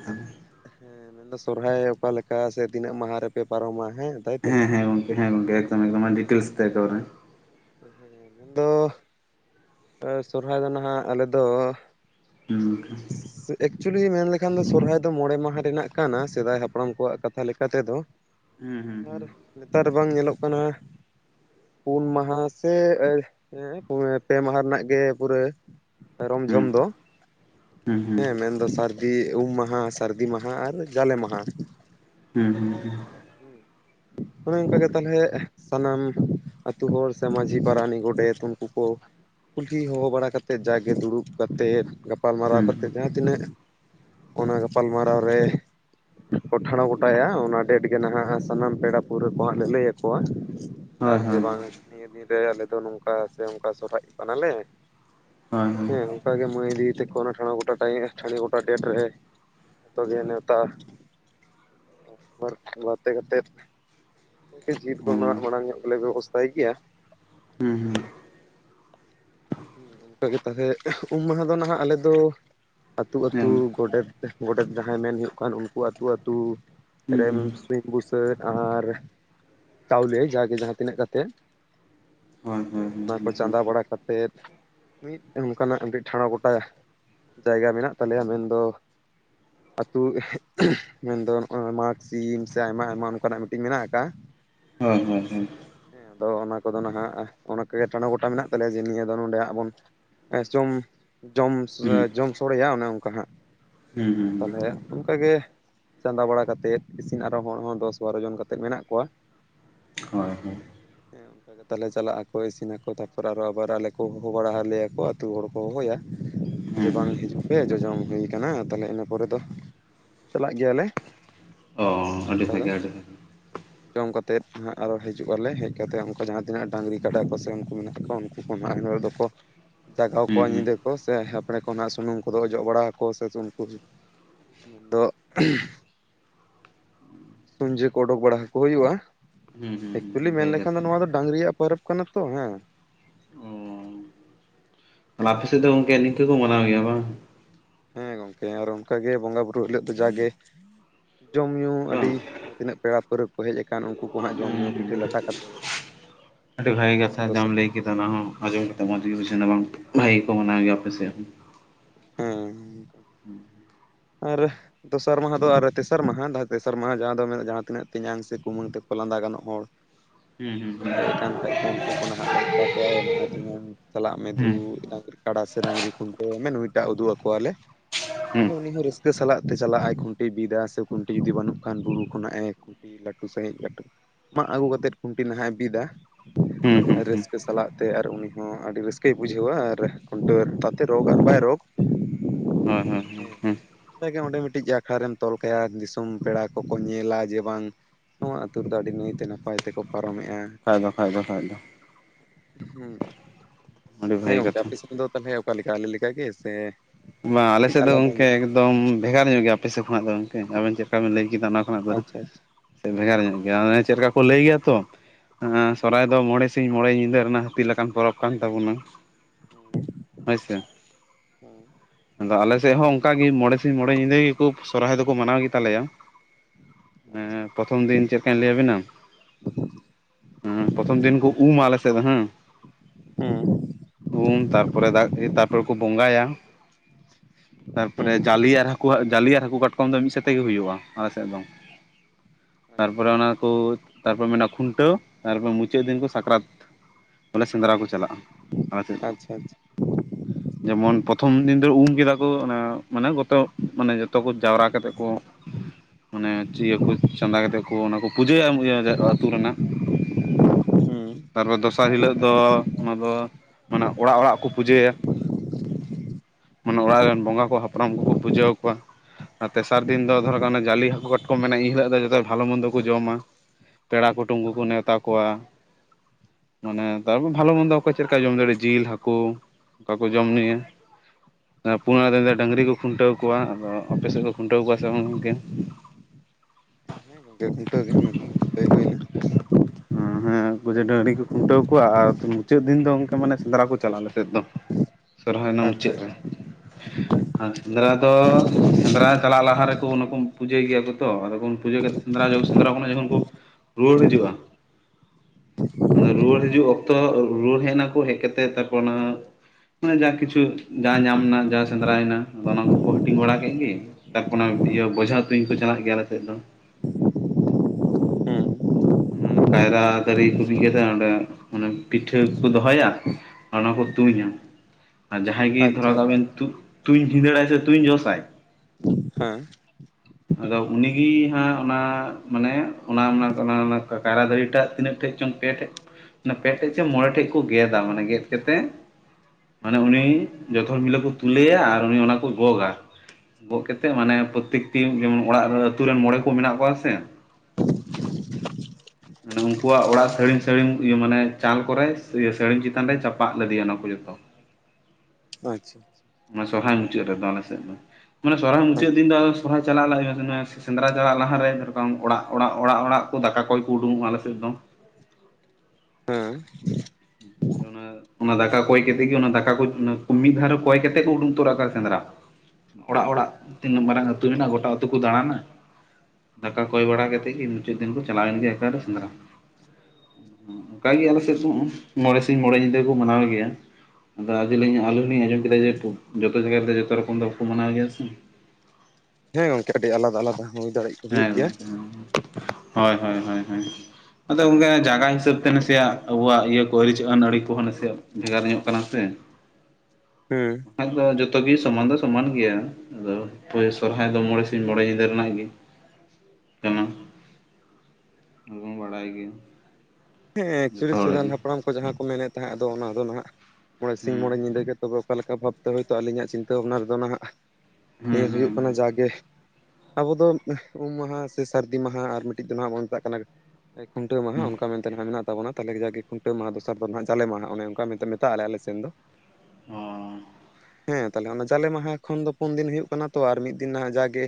ᱦᱮᱸᱻ ᱥᱚᱨᱦᱟᱭ ᱚᱠᱟᱞᱮᱠᱟ ᱥᱮ ᱛᱤᱱᱟᱹᱜ ᱢᱟᱦᱟ ᱨᱮᱯᱮ ᱯᱟᱨᱚᱢᱟ ᱦᱮᱸ ᱛᱟᱭᱛᱚ? ᱦᱮᱸ ᱦᱮᱸ ᱜᱚᱝᱠᱮ ᱦᱮᱸ ᱜᱚᱝᱠᱮ ᱮᱠᱫᱚᱢ ᱮᱠᱫᱚᱢ ᱟᱹᱰᱤ [unintelligible] ᱦᱮᱸ ᱢᱮᱱ ᱫᱚ ᱥᱚᱨᱦᱟᱭ ᱫᱚ ᱱᱷᱟᱜ ᱟᱞᱮ ᱫᱚ ᱦᱮᱸ ᱜᱚᱝᱠᱮ ᱥᱮ ᱮᱠᱪᱩᱭᱞᱤ ᱢᱮᱱ ᱞᱮᱠᱷᱟᱱ ᱫᱚ ᱥᱚᱦᱨᱟᱭ ᱫᱚ ᱢᱚᱬᱮ ᱢᱟᱦᱟ ᱨᱮᱱᱟᱜ ᱠᱟᱱᱟ ᱥᱮᱫᱟᱭ ᱦᱟᱯᱲᱟᱢ ᱠᱚᱣᱟᱜ ᱠᱟᱛᱷᱟ ᱞᱮᱠᱟ ᱛᱮᱫᱚ ᱦᱩᱸ ᱦᱩᱸ ᱟᱨ ᱱᱮᱛᱟᱨ ᱵᱟᱝ ᱧᱮᱞᱚᱜ ᱠᱟᱱᱟ ᱯᱩᱱ ᱢᱟᱦᱟ ᱥᱮ ᱮᱭ [unintelligible] ᱯᱮ ᱢᱟᱦᱟ ᱨᱮᱱᱟᱜ ᱜᱮ ᱯᱩᱨᱟᱹ ᱨᱚᱢ ᱦᱩᱸ ᱡᱷᱚᱢ ᱫᱚ ᱦᱩᱸ ᱦᱩᱸ ᱦᱮᱸ ᱢᱮᱱᱫᱚ ᱥᱟᱹᱨᱫᱤ ᱩᱢ ᱢᱟᱦᱟᱸ ᱥᱟᱹᱨᱫᱤ ᱢᱟᱦᱟᱸ ᱟᱨ ᱡᱟᱞᱮ ᱢᱟᱦᱟᱸ ᱦᱮᱸ ᱦᱮᱸ ᱦᱮᱸᱻ ᱦᱮᱸ ᱚᱱᱮ ᱚᱱᱠᱟᱜᱮ ᱛᱟᱦᱚᱞᱮ ᱥᱟᱱᱟᱢ ᱟᱹᱛᱳ ᱦᱚᱲ ᱥᱮ ᱢᱟᱺᱡᱷᱤ ᱯᱟᱨᱟᱱᱤᱠ ᱜᱚᱰᱮᱛ ᱩᱱᱠᱩ ᱠᱚ ᱠᱩᱞᱦᱤ ᱦᱚᱦᱚ ᱵᱟᱲᱟ ᱠᱟᱛᱮᱫ ᱡᱟᱜᱮ ᱫᱩᱲᱩᱵ ᱠᱟᱛᱮᱫ ᱜᱟᱯᱟᱞᱢᱟᱨᱟᱣ ᱦᱩᱸ ᱦᱩᱸ ᱠᱟᱛᱮᱫ ᱡᱟᱦᱟᱸ ᱛᱤᱱᱟᱹᱜ ᱚᱱᱟ ᱜᱟᱯᱟᱞᱢᱟᱨᱟᱣ ᱨᱮ ᱠᱚ ᱴᱷᱟᱲᱚ ᱦᱩᱸ ᱜᱚᱴᱟᱭᱟ ᱚᱱᱟ ᱰᱮᱴ ᱜᱮ ᱱᱟᱦᱟᱜ ᱥᱟᱱᱟᱢ ᱯᱮᱲᱟ ᱯᱟᱹᱲᱣᱨᱟᱹ ᱠᱚ ᱦᱟᱸᱜ ᱞᱮ ᱞᱟᱹᱭ ᱠᱚᱣᱟ᱾ ᱦᱳᱭ ᱟᱨ ᱡᱮ ᱦᱳᱭ ᱵᱟᱝ ᱱᱤᱭᱟᱹ ᱫᱤᱱᱨᱮ ᱟᱞᱮ ᱫᱚ ᱱᱚᱝᱠᱟ ᱥᱮ ᱚᱝᱠᱟ ᱥᱚᱨᱦᱟᱜ ᱠᱟᱱᱟᱞᱮ ᱦᱳᱭ ᱦᱳᱭ ᱦᱮᱸ ᱚᱱᱠᱟᱜᱮ ᱢᱟᱹᱭ ᱫᱤ ᱛᱮᱠᱚ ᱚᱱᱟ ᱴᱷᱟᱲᱚ ᱜᱚᱴᱟ ᱴᱟᱭᱤᱢ ᱜᱚᱴᱟ ᱰᱮᱴ ᱨᱮ ᱛᱚᱜᱮ ᱱᱮᱶᱛᱟ, ᱵᱟᱨᱛᱮ ᱠᱟᱛᱮᱫ [unintelligible] ᱠᱚᱦᱚᱱᱟᱜ ᱦᱩᱸ ᱢᱟᱲᱟᱝ ᱧᱚᱜ ᱜᱮᱞᱮ ᱵᱮᱵᱚᱥᱛᱷᱟᱭ ᱜᱮᱭᱟ᱾ ᱦᱩᱸ ᱦᱩᱸ ᱦᱩ ᱚᱝᱠᱟᱜ ᱜᱮ ᱛᱟᱦᱞᱮ ᱩᱢ ᱢᱟᱦᱟ ᱫᱚ ᱱᱟᱦᱟᱜ ᱟᱞᱮ ᱫᱚ ᱟᱹᱛᱩ ᱟᱹᱛᱩ ᱦᱮᱸ ᱜᱚᱰᱮᱛ ᱜᱚᱰᱮᱛ ᱡᱟᱦᱟᱸᱭ ᱢᱮᱱ ᱦᱩᱭᱩᱜ ᱠᱟᱱ ᱩᱱᱠᱩ ᱟᱹᱛᱩ ᱟᱹᱛᱩ ᱦᱩᱸ ᱨᱮᱢ ᱦᱩᱸ ᱥᱤᱣᱤᱯ ᱵᱩᱥᱟᱹᱜ ᱟᱨ ᱪᱟᱣᱞᱮ ᱡᱟᱜᱮ ᱡᱟᱦᱟᱸ ᱛᱤᱱᱟᱹᱜ ᱠᱟᱛᱮ ᱦᱳᱭ ᱦᱳᱭ ᱦᱮᱸᱻ ᱦᱩᱸ ᱚᱱᱟ ᱠᱚ ᱦᱩᱸ ᱦᱩᱸ ᱪᱟᱸᱫᱟ ᱵᱟᱲᱟ ᱠᱟᱛᱮᱫ ᱢᱤᱫ ᱚᱱᱠᱟᱱᱟᱜ ᱜᱮ ᱴᱷᱟᱲᱚ ᱜᱚᱴᱟᱭᱟ ᱡᱟᱭᱜᱟ ᱢᱮᱱᱟᱜ ᱛᱟᱞᱮᱭᱟ ᱢᱮᱱᱫᱚ ᱟᱹᱛᱩ ᱢᱮᱱᱫᱚ ᱱᱚᱜᱼᱚᱭ ᱢᱟᱜᱽ ᱥᱤᱢ, ᱥᱮ ᱟᱭᱢᱟ ᱟᱭᱢᱟ ᱚᱝᱠᱟᱱᱟᱜ ᱢᱤᱫᱴᱤᱡ ᱢᱮᱱᱟᱜ ᱠᱟᱜᱼᱟ ᱾ [inaudible] ᱦᱩᱸ ᱦᱩᱸ ᱦᱩᱸ ᱦᱮᱸ ᱟᱫᱚ ᱚᱱᱟ ᱠᱚᱫᱚ ᱱᱟᱦᱟᱜ ᱚᱱᱟ ᱠᱚᱜᱮ ᱴᱟᱲᱚ ᱜᱚᱴᱟ ᱢᱮᱱᱟᱜ ᱛᱟᱞᱮᱭᱟ ᱡᱮ ᱱᱤᱭᱟᱹ ᱟᱫᱚ ᱱᱚᱰᱮ ᱦᱟᱸᱜ ᱵᱚᱱ ᱡᱚᱢ ᱡᱚᱢ ᱡᱚᱢ ᱥᱚᱲᱮᱭᱟ ᱚᱱᱮ ᱚᱝᱠᱟ ᱦᱟᱸᱜ᱾ ᱦᱩᱸ ᱦᱩᱸ ᱦᱮᱸ ᱦᱩᱸ ᱛᱟᱞᱦᱮᱜ ᱚᱝᱠᱟ ᱜᱮ ᱪᱟᱸᱫᱟ ᱵᱟᱲᱟ ᱠᱟᱛᱮᱜ ᱤᱥᱤᱱ ᱟᱨᱚ ᱦᱚᱲ ᱦᱚᱸ ᱫᱚᱥ ᱵᱟᱨᱚ ᱡᱚᱱ ᱠᱟᱛᱮᱫ ᱢᱮᱱᱟᱜ ᱠᱚᱣᱟ᱾ ᱦᱳᱭ ᱦᱳᱭ ᱦᱮᱸ ᱚᱝᱠᱟ ᱠᱟᱛᱮᱞᱮ ᱪᱟᱞᱟᱜ ᱟᱠᱚ ᱤᱥᱤᱱᱟ ᱠᱚ ᱛᱟᱯᱚᱨ ᱟᱵᱟᱨ ᱟᱞᱮ ᱠᱚ ᱦᱚᱦᱚ ᱵᱟᱲᱟ ᱦᱟᱞᱮᱭᱟ ᱠᱚ ᱟᱹᱛᱩ ᱦᱚᱲ ᱠᱚ ᱦᱚᱦᱚᱭᱟ᱾ ᱡᱮ ᱦᱩᱸ ᱵᱟᱝ ᱦᱩᱸ ᱦᱤᱡᱩᱜ ᱯᱮ ᱡᱚᱡᱚᱢ ᱦᱩᱭ ᱠᱟᱱᱟ ᱛᱟᱦᱞᱮ ᱤᱱᱟᱹ ᱯᱚᱨᱮ ᱫᱚ ᱪᱟᱞᱟᱜ ᱜᱮᱭᱟᱞᱮ ᱚ ᱟᱹᱰᱤ ᱚᱱᱠᱟ ᱫᱚ ᱵᱷᱟᱜᱮ ᱟᱹᱰᱤ ᱵᱷᱟᱜᱮ ᱡᱚᱢ ᱠᱟᱛᱮᱫ ᱦᱟᱜ ᱟᱨᱚ ᱦᱤᱡᱩᱜ ᱟᱞᱮ ᱦᱮᱡ ᱠᱟᱛᱮ ᱩᱱᱠᱟ ᱡᱟᱦᱟᱸ ᱛᱤᱱᱟᱹᱜ ᱰᱟᱹᱟᱝᱨᱤ ᱠᱟᱰᱟ ᱠᱚ ᱥᱮ ᱩᱱᱠᱩ ᱢᱮᱱᱟᱜ ᱠᱚᱣᱟ ᱩᱱᱠᱩ ᱠᱚ [unintelligible] ᱫᱚ ᱠᱚ ᱡᱟᱜᱟᱣ ᱦᱩᱸ ᱠᱚᱣᱟ ᱦᱩᱸ ᱧᱤᱫᱟᱹ ᱠᱚ ᱥᱮ, ᱦᱟᱯᱲᱮ ᱠᱚ ᱦᱜ ᱥᱩᱱᱩᱢ ᱠᱚᱫᱚ ᱚᱡᱚᱜ ᱵᱟᱲᱟ ᱟᱠᱚ ᱥᱮ ᱩᱱᱠᱩ [unintelligible] ᱫᱚᱜ ᱥᱩᱧᱡᱟᱹ ᱠᱚ ᱚᱰᱳᱠ ᱵᱟᱲᱟ ᱟᱠᱚ ᱦᱳᱭᱳᱜᱼᱟ ᱾ ᱦᱩᱸ ᱦᱩᱸ ᱮᱠᱪᱩᱭᱮᱞᱤ ᱦᱩᱸ ᱢᱮᱱ ᱵᱷᱟᱜᱮ ᱞᱮᱠᱷᱟᱱ ᱫᱚ ᱱᱚᱣᱟ ᱠᱟᱛᱷᱟ ᱫᱚ ᱰᱟᱝᱨᱤᱭᱟᱜ ᱯᱚᱨᱚᱵᱽ ᱠᱟᱱᱟ ᱛᱚ ᱦᱮᱸ ᱚ ᱟᱯᱮ ᱥᱮᱫ ᱫᱚ ᱜᱚᱝᱠᱮ ᱱᱤᱝᱠᱟᱹ ᱠᱚ ᱢᱟᱱᱟᱣ ᱜᱮᱭᱟ ᱵᱟᱝ? ᱦᱮᱸ ᱜᱚᱝᱠᱮ ᱟᱨ ᱚᱱᱠᱟᱜᱮ ᱵᱚᱸᱜᱟ ᱵᱩᱨᱩ ᱦᱤᱞᱳᱜ ᱫᱚ ᱡᱟᱜᱮ ᱡᱚᱢ ᱧᱩ ᱟᱹᱰᱤ ᱵᱟᱝ ᱡᱟᱦᱟᱸ ᱛᱤᱱᱟᱹᱜ ᱯᱮᱲᱟ ᱯᱟᱹᱨᱟᱹ ᱠᱚ ᱦᱮᱡ ᱟᱠᱟᱱ ᱩᱝᱠᱩ ᱠᱚ ᱦᱟᱸᱜ ᱦᱩᱸ ᱡᱚᱢᱼᱧᱩ ᱦᱩᱸ ᱯᱤᱴᱷᱟᱹ ᱞᱟᱴᱷᱟ ᱠᱟᱛᱮᱜ [inaudible] ᱟᱹᱰᱤ ᱵᱷᱟᱜᱤ ᱠᱟᱛᱷᱟ ᱡᱟᱢ ᱞᱟᱹᱭ ᱠᱮᱫᱟ ᱚᱱᱟ ᱦᱚᱸ ᱟᱸᱡᱚᱢ ᱠᱟᱛᱮ ᱢᱚᱸᱡᱽ ᱜᱮ ᱵᱩᱡᱷᱱᱟ ᱜᱚᱝᱠ ᱵᱷᱟᱜᱮ ᱠᱚ ᱢᱟᱱᱟᱣ ᱜᱮᱭᱟ ᱟᱯᱮᱥᱮᱜ ᱦᱚᱸ ᱦᱮᱸ ᱟᱨ ᱫᱚᱥᱟᱨ ᱢᱟᱦᱟ ᱫᱚ ᱟᱨ ᱛᱮᱥᱟᱨ ᱢᱟᱦᱟ ᱛᱮᱥᱟᱨ ᱢᱟᱦᱟ ᱡᱟᱦᱟᱸ ᱫᱚ ᱡᱟᱦᱟᱸ ᱛᱤᱱᱟᱹᱜ ᱛᱮᱧᱟᱝ ᱥᱮ ᱠᱩᱢᱟᱹᱝ ᱛᱮᱠᱚ ᱞᱟᱸᱫᱟ ᱜᱟᱱᱚᱜ ᱦᱚᱲ ᱦᱚᱸ ᱦᱮᱡ ᱟᱠᱟᱱ ᱠᱷᱟᱡ ᱠᱚ ᱩᱱᱠᱩ ᱠᱚ ᱱᱟᱦᱟᱜ ᱞᱮ ᱢᱮᱛᱟ ᱠᱚᱣᱟ ᱮ ᱱᱟᱜ ᱟᱭ ᱫᱷᱩᱭ ᱢᱮ ᱪᱟᱞᱟᱜ ᱢᱮ ᱦᱩᱸ ᱫᱩ ᱦᱩᱸ ᱰᱟᱝᱨᱤ-ᱠᱟᱲᱟ ᱥᱮ ᱰᱟᱝᱨᱤ ᱠᱷᱩᱱᱴᱟᱹᱣ ᱢᱮᱱ ᱱᱩᱭᱴᱟᱜ ᱩᱫᱩᱜ ᱟᱠᱚᱣᱟᱞᱮ ᱦᱩᱸ ᱫᱚ ᱩᱱᱤ ᱦᱚᱸ ᱨᱟᱹᱥᱠᱟᱹ ᱥᱟᱞᱟᱜ ᱛᱮ ᱪᱟᱞᱟᱜ ᱟᱭ ᱠᱷᱩᱱᱴᱤ ᱵᱤᱫᱟ ᱥᱮ ᱠᱷᱩᱱᱴᱤ ᱡᱩᱫᱤ ᱵᱟᱹᱱᱩᱜ ᱠᱷᱟᱱ ᱵᱩᱨᱩ ᱠᱷᱚᱱᱟᱜ ᱮ ᱩᱱᱴᱤ ᱞᱟᱹᱴᱩ ᱥᱟᱺᱦᱤᱡ ᱞᱟᱹᱴᱩ ᱢᱟᱜ ᱟᱹᱜᱩᱠᱟᱛᱮᱫ ᱠᱷᱩᱱᱴᱤ ᱱᱟᱦᱟᱜ ᱮ ᱵᱤᱫᱟ᱾ ᱦᱩᱸ ᱦᱩᱸ ᱦᱩᱸ ᱦᱩᱸ ᱦᱩᱸ ᱨᱟᱹᱥᱠᱟᱹ ᱥᱟᱞᱟᱜ ᱛᱮ ᱟᱨ ᱩᱱᱤ ᱦᱚᱸ ᱟᱹᱰᱤ ᱨᱟᱹᱥᱠᱟᱹᱭ ᱵᱩᱡᱷᱟᱹᱣᱟ ᱟᱨ ᱠᱷᱩᱱᱴᱟᱹᱣ ᱛᱟᱛᱮ ᱨᱚᱜᱽ ᱟᱨ ᱵᱟᱭ ᱨᱚᱜᱽ᱾ ᱦᱚᱸ ᱦᱚᱸ ᱦᱚᱸ ᱦᱮᱸ ᱡᱟᱜᱮ ᱚᱸᱰᱮ ᱢᱤᱫᱴᱤᱡ ᱟᱠᱷᱲᱟ ᱨᱮᱢ ᱛᱚᱞ ᱠᱟᱭᱟ ᱫᱤᱥᱚᱢ ᱯᱮᱲᱟ ᱠᱚᱠᱚ ᱧᱮᱞᱟ ᱡᱮ ᱵᱟᱝ ᱱᱚᱣᱟ ᱟᱹᱛᱳ ᱨᱮᱫᱚ ᱟᱹᱰᱤ ᱱᱟᱮᱭᱛᱮ ᱱᱟᱯᱟᱭ ᱛᱮᱠᱚ ᱯᱟᱨᱚᱢᱮᱜᱼᱟ᱾ ᱠᱷᱟᱡ ᱫᱚ ᱠᱷᱟᱡ ᱫᱚ ᱠᱷᱟᱡ ᱫᱚ᱾ ᱦᱮᱸ ᱟᱹᱰᱤ ᱦᱮᱸ ᱵᱷᱟᱜᱮ ᱜᱚᱝᱠᱮ ᱠᱟᱛᱷᱟ ᱟᱯᱮ ᱥᱮᱜ ᱫᱚ ᱛᱟᱦᱞᱮ ᱚᱠᱟ ᱞᱮᱠᱟ ᱟᱞᱮ ᱞᱮᱠᱟ ᱜᱮ ᱥᱮ ᱵᱟᱝ ᱟᱞᱮ ᱠᱟᱹᱡ ᱥᱮᱫ ᱫᱚ ᱟᱞᱟᱫᱟ ᱜᱚᱝᱠᱮ ᱧᱚᱜ ᱮᱠᱫᱚᱢ ᱵᱷᱮᱜᱟᱨ ᱧᱚᱜ ᱜᱮᱭᱟ ᱟᱯᱮ ᱥᱮᱫ ᱠᱷᱚᱱᱟᱜ ᱫᱚ ᱜᱚᱝᱠᱮ ᱟᱵᱮᱱ ᱪᱮᱫᱞᱮᱠᱟ ᱵᱮᱱ ᱞᱟᱹᱭ ᱠᱮᱫᱟ ᱚᱱᱟ ᱚᱱᱟ ᱫᱚ ᱟᱪᱪᱷᱟ ᱟᱪᱪᱷᱟ ᱵᱷᱮᱜᱟᱨ ᱧᱚᱜ ᱜᱮᱭᱟ, ᱚᱱᱮ ᱪᱮᱫ ᱞᱮᱠᱟ ᱠᱚ ᱞᱟᱹᱭ ᱜᱮᱭᱟ ᱛᱚ ᱦᱮᱸ ᱥᱚᱨᱦᱟᱭ ᱫᱚ ᱢᱚᱬᱮ ᱥᱤᱧ ᱢᱚᱬᱮ ᱧᱤᱫᱟᱹ ᱨᱮᱱᱟᱜ ᱦᱟᱹᱛᱤ ᱞᱮᱠᱟᱱ ᱯᱚᱨᱚᱵᱽ ᱠᱟᱱ ᱛᱟᱵᱚᱱᱟ ᱾ ᱦᱩᱸ ᱦᱩᱸ ᱟᱫᱚ ᱟᱞᱮᱥᱮ ᱦᱚᱸ ᱚᱱᱠᱟᱜ ᱜᱮ ᱢᱚᱬᱮ ᱥᱤᱧ ᱢᱚᱬᱮ ᱧᱤᱫᱟᱹ ᱜᱮᱠᱚ ᱥᱚᱨᱦᱟᱭ ᱫᱚᱠᱚ ᱢᱟᱱᱟᱣ ᱜᱮ ᱛᱟᱞᱮᱭᱟ ᱾ ᱟᱪᱪᱷᱟ ᱯᱨᱚᱛᱷᱚᱢ ᱫᱤᱱ ᱪᱮᱫ ᱞᱮᱠᱟᱭ ᱞᱟᱹᱭᱵᱤᱱᱟ ᱾ ᱦᱮ ᱯᱨᱚᱛᱷᱚᱢ ᱫᱤᱱ ᱠᱚ ᱩᱢᱟ ᱟᱞᱮᱥᱮᱫ ᱫᱚ ᱦᱮᱸ ᱦᱮᱸ ᱩᱢ ᱛᱟᱨᱯᱚᱨᱮ ᱫᱟᱜ ᱛᱟᱨᱯᱚᱨᱮ ᱠᱚ ᱵᱚᱸᱜᱟᱭᱟ ᱾ ᱛᱟᱨᱯᱚᱨᱮ ᱦᱮᱸ ᱡᱟᱞᱮᱭ ᱨᱮᱦᱚ ᱠᱚ ᱡᱟᱞᱮᱭ ᱨᱮᱦᱚ ᱠᱚ ᱠᱟᱴ ᱫᱚ ᱢᱤᱫ ᱥᱟᱛᱮ ᱜᱮ ᱦᱩᱭᱩᱜᱼᱟ, ᱟᱞᱮ ᱥᱮᱛᱟ ᱫᱚ, ᱟᱪᱪᱷᱟ ᱛᱟᱨᱯᱚᱨᱮ ᱚᱱᱟ ᱛᱟᱨᱯᱚᱨᱮ ᱢᱮᱱᱟ ᱠᱷᱩᱱᱴᱟᱹᱣ, ᱟᱨᱵᱟᱜ ᱢᱩᱪᱟᱹᱫ ᱫᱤᱱ ᱠᱚ ᱥᱟᱠᱨᱟᱛ ᱵᱚᱞᱮ ᱥᱮᱸᱫᱽᱨᱟ ᱠᱚ ᱪᱟᱞᱟᱜᱼᱟ ᱟᱞᱮ ᱥᱮᱫ ᱫᱚ ᱟᱪᱪᱷᱟ ᱟᱪᱪᱷᱟ ᱡᱮᱢᱚᱱ ᱯᱚᱛ ᱛᱷᱚᱢ ᱫᱤᱱ ᱫᱚ ᱩᱢ ᱠᱮᱫᱟ ᱠᱚ ᱢᱟᱱᱮ ᱜᱚᱛᱚ ᱢᱟᱱᱮ ᱡᱚᱛᱚ ᱠᱚ ᱡᱟᱣᱨᱟ ᱠᱟᱛᱮ ᱠᱚ ᱢᱟᱱᱮ ᱤᱭᱟᱹ ᱠᱚ ᱪᱟᱸᱫᱟ ᱠᱟᱛᱮᱫ ᱠᱚ ᱚᱱᱟ ᱠᱚ ᱯᱩᱡᱟᱹᱭᱟ ᱟᱹᱛᱩ ᱨᱮᱱᱟᱜ᱾ ᱦᱮᱸ ᱛᱟᱨᱯᱚᱨᱮ ᱫᱚᱥᱟᱨ ᱦᱤᱞᱳᱜ ᱫᱚ, ᱚᱱᱟ ᱫᱚ, ᱢᱟᱱᱮ ᱚᱲᱟᱜ ᱚᱲᱟᱜ ᱠᱚ ᱯᱩᱡᱟᱹᱭᱟ ᱾ ᱢᱟᱱᱮ ᱚᱲᱟᱜ ᱨᱮᱱ ᱵᱚᱸᱜᱟ ᱠᱚ ᱦᱟᱯᱲᱟᱢ ᱠᱚᱠᱚ ᱯᱩᱡᱟᱹᱣ ᱟᱠᱚᱣᱟ ᱾ ᱟᱨ ᱛᱮᱥᱟᱨ ᱫᱤᱱ ᱫᱚ ᱫᱷᱚᱨᱚ ᱡᱟᱞᱮᱦᱟᱠᱩ ᱠᱟᱴᱠᱚᱢ ᱢᱮᱱᱟᱜᱼᱟ ᱮᱱᱦᱤᱞᱳ ᱫᱚ ᱡᱚᱛᱚ ᱵᱷᱟᱞᱳ ᱢᱚᱱᱫᱚ ᱠᱚ ᱡᱚᱢᱟ ᱾ ᱯᱮᱲᱟ ᱠᱩᱴᱩᱢ ᱠᱚᱠᱚ ᱱᱮᱣᱛᱟ‍ ᱠᱚᱣᱟ ᱢᱟᱱᱮ ᱛᱟᱨᱯᱚᱨ ᱵᱷᱟᱞᱚ ᱢᱚᱱᱫᱚ ᱚᱠᱚᱭ ᱪᱮᱫᱞᱮᱠᱟᱭ ᱡᱚᱢ ᱫᱟᱲᱮᱭᱟᱜ-ᱟ ᱡᱤᱞ ᱦᱟᱹᱠᱩ ᱚᱠᱟ ᱠᱚ ᱡᱚᱢ ᱧᱩᱭᱟ ᱯᱩ ᱟᱹᱨᱤᱨᱮ ᱰᱟᱹᱝᱨᱤ ᱠᱚ ᱠᱷᱩᱱᱴᱟᱹᱣ ᱠᱚᱣᱟ ᱟᱫᱚ ᱟᱯᱮ ᱥᱮᱫ ᱠᱚ ᱠᱷᱩᱱᱴᱟᱹᱣ ᱠᱚᱣᱟ ᱥᱮ ᱦᱮᱸ ᱜᱚᱝᱠᱮ ᱠᱷᱩᱱᱴᱟᱹᱣ ᱜᱮ ᱤᱱᱟᱹ ᱯᱚᱨ ᱦᱩᱭᱱᱟ ᱾ ᱦᱮᱸᱡᱮ ᱰᱟᱹᱝᱨᱤ ᱠᱚ ᱠᱷᱩᱱᱴᱟᱹᱣ ᱠᱚᱣᱟ ᱟᱨ ᱢᱩᱪᱟᱹᱫ ᱫᱤᱱ ᱫᱚ ᱚᱱᱠᱟ ᱢᱟᱱᱮ ᱥᱮᱸᱫᱽᱨᱟ ᱠᱚ ᱪᱟᱞᱟᱜ-ᱟ ᱟᱞᱮᱥᱮᱫ ᱫᱚ [inaudible] ᱥᱚᱨᱦᱟᱭᱚᱱᱟ ᱟᱪᱪᱷᱟ ᱢᱩᱪᱟᱹᱫ ᱨᱮ ᱟᱪᱪᱷᱟ ᱟᱨ ᱥᱮᱸᱫᱽᱨᱟ ᱫᱚ ᱥᱮᱸᱫᱽᱨᱟ ᱪᱟᱞᱟᱜ ᱞᱟᱦᱟ ᱨᱮᱠᱚ ᱚᱱᱟ ᱠᱚ ᱯᱩᱡᱟᱹᱭ ᱜᱮᱭᱟ ᱠᱚ ᱛᱚ ᱟᱫᱚ ᱠᱷᱚᱱ ᱯᱩᱡᱟᱹ ᱠᱟᱛᱮ ᱥᱮᱸᱫᱽᱨᱟ ᱥᱮᱸᱫᱽᱨᱟ ᱠᱷᱚᱱᱟ ᱡᱮᱠᱷᱚᱱ ᱠᱚ, ᱨᱩᱣᱟᱹᱲ ᱦᱤᱡᱩᱜ-ᱟ ᱟᱫᱚ ᱨᱩᱣᱟᱹᱲ ᱦᱤᱡᱩᱜ-ᱟ ᱚᱠ ᱛᱚ ᱨᱩᱣᱟᱹᱲ ᱦᱮᱡ ᱱᱟᱠᱚ ᱦᱮᱡ ᱠᱟᱛᱮᱜ ᱛᱟᱨᱯᱚᱨᱱᱟ ᱢᱟᱱᱮ ᱡᱟ ᱠᱤᱪᱷᱩ ᱡᱟ ᱧᱟᱢ ᱮᱱᱟ, ᱡᱟ ᱥᱮᱸᱫᱽᱨᱟᱭᱮᱱᱟ, ᱟᱫᱚ ᱚᱱᱟ ᱠᱚᱠᱚ ᱦᱟᱹᱴᱤᱧ ᱵᱟᱲᱟ ᱠᱮᱫ ᱜᱮ ᱾ ᱛᱟᱯᱚᱱᱟ ᱵᱳᱡᱷᱟ ᱛᱩᱧ ᱠᱚ ᱪᱟᱞᱟᱜ ᱜᱮᱭᱟ ᱟᱞᱮ ᱥᱮᱫ ᱫᱚ ᱾ ᱦᱮᱸ ᱠᱟᱭᱨᱟ ᱫᱟᱨᱮ ᱠᱚ ᱵᱤᱜᱟᱫᱟ ᱚᱸᱰᱮ ᱚᱱᱮ ᱯᱤᱴᱷᱟᱹ ᱠᱩ ᱫᱚᱦᱚᱭᱟ ᱾ ᱚᱱᱟᱠᱚ ᱛᱩᱧᱟ, ᱟᱨ ᱡᱟᱦᱟᱸᱭ ᱜᱮ ᱟᱪᱪᱷᱟ ᱫᱷᱚᱨᱟᱣ ᱠᱟᱜ ᱟᱪᱪᱷᱟ ᱵᱮᱱ ᱛᱩᱧ ᱵᱷᱤᱸᱫᱟᱹᱲᱟᱭ ᱥᱮ ᱛᱩᱧ ᱡᱚᱥᱟᱭ ᱾ ᱦᱮᱸ ᱟᱫᱚ ᱩᱱᱤᱜᱮ ᱦᱟᱸᱜ ᱚᱱᱟ ᱢᱟᱱᱮ ᱚᱱᱟ ᱱᱟᱝ ᱚᱱᱟ ᱱᱟᱝ ᱠᱟᱭᱨᱟ ᱫᱟᱨᱮᱴᱟᱜ ᱛᱤᱱᱟᱹᱜ ᱴᱷᱮᱡ ᱪᱚᱝ ᱯᱮ ᱴᱷᱮᱡ ᱯᱮ ᱴᱷᱮᱡ ᱥᱮ ᱢᱚᱬᱮ ᱴᱷᱮᱡ ᱠᱚ ᱜᱮᱫᱟ ᱢᱟᱱᱮ ᱜᱮᱫ ᱠᱟᱛᱮᱫ ᱢᱟᱱᱮ ᱩᱱᱤ ᱡᱚᱛᱚ ᱦᱚᱲ ᱢᱤᱞᱳ ᱠᱚ ᱛᱩᱞᱟᱹᱭᱟ, ᱟᱨ ᱩᱱᱤ ᱚᱱᱟ ᱠᱚᱭ ᱜᱚᱜᱟ, ᱜᱚᱜ ᱠᱟᱛᱮᱫ ᱢᱟᱱᱮ ᱯᱟᱹᱛᱤᱠ ᱡᱮᱢᱚᱱ ᱚᱲᱟᱜ ᱨᱮ ᱟᱹᱛᱩ ᱨᱮᱱ ᱢᱚᱬᱮ ᱠᱚ ᱢᱮᱱᱟᱜ ᱠᱚᱣᱟ ᱥᱮ ᱾ [inaudible] ᱢᱟᱱᱮ ᱩᱱᱠᱩᱣᱟᱜ ᱚᱲᱟᱜ ᱥᱟᱹᱲᱤᱢ ᱥᱟᱹᱲᱤᱢ ᱤᱭᱟᱹ ᱢᱟᱱᱮ ᱪᱟᱞ ᱠᱚᱨᱮ ᱥᱟᱹᱲᱤᱢ ᱪᱮᱛᱟᱱ ᱨᱮ ᱪᱟᱯᱟᱫ ᱞᱟᱫᱮᱭᱟ ᱚᱱᱟ ᱠᱚ ᱡᱚᱛᱚ ᱾ ᱟᱪᱪᱷᱟ ᱟᱪᱪᱷᱟ, ᱢᱟᱱᱮ ᱥᱚᱨᱦᱟᱭ ᱢᱩᱪᱟᱹᱫ ᱨᱮᱫᱚ ᱟᱞᱮᱥᱮᱫ ᱫᱚ ᱢᱟᱱᱮ ᱥᱚᱨᱦᱟᱭ ᱢᱩᱪᱟᱹᱫ ᱟᱪᱪᱷᱟ ᱫᱤᱱ ᱫᱚ ᱥᱚᱨᱦᱟᱭ ᱪᱟᱞᱟᱜ ᱥᱮᱸᱫᱽᱨᱟ ᱪᱟᱞᱟᱜ ᱞᱟᱦᱟᱨᱮ ᱡᱮᱨᱚᱠᱚᱢ ᱚᱲᱟᱜ ᱚᱲᱟᱜ ᱚᱲᱟᱲ ᱠᱚ ᱫᱟᱠᱟ ᱠᱚᱭ ᱩᱰᱩᱝᱚᱜᱼᱟ ᱟᱞᱮᱥᱮᱫ ᱫᱚ ᱾ ᱦᱮᱸ ᱱᱩᱱᱟᱹᱜ ᱚᱱᱟ ᱫᱟᱠᱟ ᱠᱚᱭ ᱠᱟᱛᱮᱫ ᱜᱮ ᱚᱱᱟ ᱫᱟᱠᱟ ᱠᱚ ᱢᱤᱫ ᱫᱷᱟᱣᱨᱮ ᱠᱚᱭ ᱠᱟᱛᱮᱫ ᱠᱚ ᱩᱰᱩᱠ ᱛᱚᱨᱟ ᱟᱜ ᱥᱮᱸᱫᱽᱨᱟ ᱚᱲᱟᱜ ᱚᱲᱟᱜ ᱛᱤᱱᱟᱹᱜ ᱢᱟᱨᱟᱝ ᱟᱹᱛᱩ ᱢᱮᱱᱟᱜ, ᱜᱚᱴᱟ ᱟᱹᱛᱩ ᱠᱚ ᱫᱟᱬᱟᱱᱟ ᱾ ᱫᱟᱠᱟ ᱠᱚᱭ ᱵᱟᱲᱟ ᱠᱟᱛᱮᱫ ᱜᱮ ᱢᱩᱪᱟᱹᱫ ᱫᱤᱱ ᱠᱚ ᱪᱟᱞᱟᱣᱮᱱ ᱜᱮ ᱟᱠᱟᱨᱮ ᱥᱮᱸᱫᱽᱨᱟ ᱚᱱᱠᱟᱜᱮ ᱟᱞᱮ ᱥᱮᱫ ᱠᱚ ᱢᱚᱬᱮ ᱥᱤᱧ ᱢᱚᱬᱮ ᱧᱤᱫᱟᱹ ᱠᱚ ᱢᱟᱱᱟᱣ ᱜᱮᱭᱟ ᱾ ᱟᱫᱚ ᱟᱫᱤᱞᱤᱧ ᱟᱞᱚ ᱦᱚᱸᱤᱧ ᱟᱸᱡᱚᱢ ᱠᱮᱫᱟ ᱡᱮ ᱡᱚᱛᱚ ᱡᱟᱭᱜᱟ ᱨᱮᱫᱚ ᱡᱚᱛᱚ ᱨᱚᱠᱚᱢ ᱫᱚ ᱵᱟᱠᱚ ᱢᱟᱱᱟᱣ ᱜᱮᱭᱟ ᱥᱮ ᱾ ᱦᱮᱸ ᱜᱚᱝᱠᱮ ᱟᱹᱰᱤ ᱟᱞᱟᱫᱟ ᱟᱞᱟᱫᱟ ᱦᱚᱸ ᱦᱩᱭ ᱫᱟᱲᱮᱜᱼᱟ ᱦᱮᱸ ᱜᱚᱝᱠᱮ ᱾ᱦᱳᱭ ᱦᱳᱭ ᱦᱳᱭ ᱦᱳᱭ ᱟᱫᱚ ᱜᱚᱝᱠᱮ ᱡᱟᱜᱟ ᱦᱤᱥᱟᱹᱵ ᱛᱮ ᱱᱟᱥᱮᱭᱟᱜ ᱟᱵᱚᱣᱟᱜ ᱤᱭᱟᱹ ᱠᱚ ᱟᱹᱨᱤᱪ ᱟᱹᱱ ᱟᱹᱲᱤ ᱠᱚᱦᱚᱸ ᱱᱟᱥᱮᱭᱟᱜ ᱵᱷᱮᱜᱟᱨ ᱧᱚᱜ ᱠᱟᱱᱟ ᱥᱮ ᱦᱩᱸ ᱟᱫᱚ ᱡᱚᱛᱚ ᱜᱮ ᱥᱚᱢᱟᱱ ᱫᱚ ᱥᱚᱢᱟᱱ ᱜᱮᱭᱟ ᱟᱫᱚ ᱯᱮ ᱥᱚᱨᱦᱟᱭ ᱫᱚ ᱢᱚᱬᱮ ᱥᱤᱧ ᱢᱚᱬᱮ ᱧᱤᱫᱟᱹ ᱨᱮᱱᱟᱜ ᱜᱮ ᱠᱟᱱᱟ ᱾ ᱚᱱᱟ ᱢᱟ ᱵᱚᱱ ᱵᱟᱲᱟᱭ ᱜᱮ ᱦᱮᱸ ᱡᱚᱛᱚ ᱮᱠᱪᱩᱭᱞᱤ ᱦᱚᱲ ᱥᱮᱫᱟᱞ ᱦᱟᱯᱲᱟᱢ ᱠᱚ ᱡᱟᱦᱟᱸ ᱠᱚ ᱢᱮᱱᱮᱫ ᱛᱟᱦᱮᱸᱫ ᱟᱫᱚ ᱚᱱᱟ ᱫᱚ ᱱᱟᱦᱟᱜ ᱢᱚᱬᱮ ᱥᱤᱧ ᱦᱮᱸ ᱢᱚᱬᱮ ᱧᱤᱫᱟᱹ ᱜᱮ ᱾ ᱛᱚᱵᱮ ᱚᱠᱟ ᱞᱮᱠᱟ ᱵᱷᱟᱵᱽᱛᱮ ᱦᱳᱭᱛᱚ ᱟᱹᱞᱤᱧᱟᱜ ᱪᱤᱱᱛᱟᱹ ᱵᱷᱟᱵᱽᱱᱟ ᱨᱮᱫᱚ ᱱᱟᱦᱟᱜ ᱦᱩᱸ ᱱᱤᱭᱟᱹ ᱦᱩᱭᱩᱜ ᱦᱩᱸ ᱠᱟᱱᱟ ᱦᱩᱸ ᱡᱟᱜᱮ ᱟᱵᱚ ᱫᱚ ᱩᱢ ᱢᱟᱦᱟ ᱥᱮ ᱥᱟᱹᱨᱫᱤ ᱢᱟᱦᱟ ᱟᱨ ᱢᱤᱫᱴᱤᱡ ᱫᱚ ᱦᱟᱜ ᱵᱚᱱ ᱢᱮᱛᱟᱜ ᱠᱟᱱᱟ ᱠᱷᱩᱱᱴᱟᱹᱣ ᱢᱟᱦᱟ ᱦᱩᱸ ᱾ ᱚᱱᱠᱟ ᱢᱮᱱ ᱢᱮᱱᱟᱜ ᱛᱟᱵᱚᱱᱟ ᱛᱟᱦᱞᱮ ᱡᱟᱜᱮ ᱠᱷᱩᱱᱴᱟᱹ ᱢᱟ ᱫᱚᱥᱟᱨ ᱫᱚ ᱱᱟᱦᱟᱜ ᱫᱚ ᱡᱟᱞᱮ ᱢᱟᱦᱟᱸ ᱚᱱᱮ ᱚᱱᱠᱟ ᱢᱮᱛᱟᱜᱼᱟᱞᱮ ᱟᱞᱮ ᱥᱮᱱ ᱫᱚ ᱾ [unintelligible] ᱦᱮᱸ ᱛᱟᱦᱚᱞᱮ ᱚᱱᱟ ᱡᱟᱞᱮ ᱢᱟᱦᱟ ᱠᱷᱚᱱ ᱫᱚ ᱯᱩᱱ ᱫᱤᱱ ᱦᱩᱭᱩᱜ ᱠᱟᱱᱟ ᱛᱚ ᱟᱨ ᱢᱤᱫ ᱫᱤᱱ ᱡᱟᱜᱮ